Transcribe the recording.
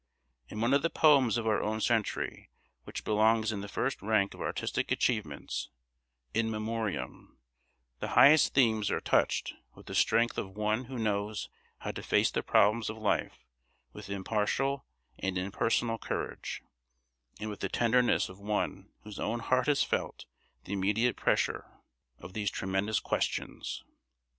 In one of the poems of our own century which belongs in the first rank of artistic achievements, "In Memoriam," the highest themes are touched with the strength of one who knows how to face the problems of life with impartial and impersonal courage, and with the tenderness of one whose own heart has felt the immediate pressure of these tremendous questions.